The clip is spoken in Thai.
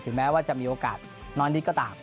แม้ว่าจะมีโอกาสน้อยนิดก็ตาม